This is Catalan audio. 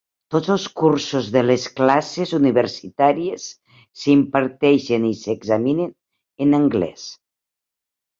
Tots els cursos de les classes universitàries s'imparteixen i s'examinen en anglès.